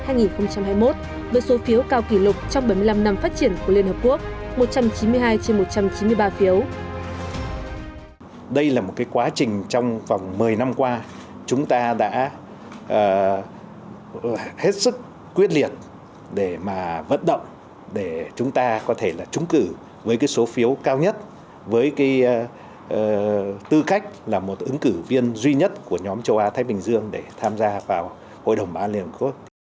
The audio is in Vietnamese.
nhiệm ký hai nghìn hai mươi hai nghìn hai mươi một với số phiếu cao kỷ lục trong bảy mươi năm năm phát triển của liên hợp quốc một trăm chín mươi hai trên một trăm chín mươi ba phiếu